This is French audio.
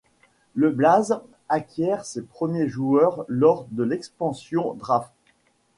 Le Blaze acquiert ses premiers joueurs lors de l'Expansion Draft.